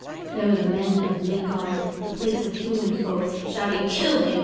There were the men of Midgard, the place of human folk, shouting, "Kill him!